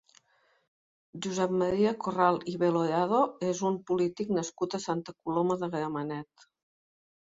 Josep Maria Corral i Belorado és un polític nascut a Santa Coloma de Gramenet.